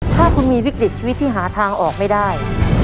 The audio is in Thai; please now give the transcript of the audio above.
ถ้าคุณมีวิกฤตชีวิตที่หาทางออกไม่ได้